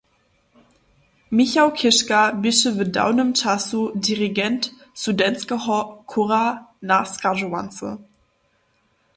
Michał Chěžka běše w dałnym času dirigent studentskeho chóra na schadźowance.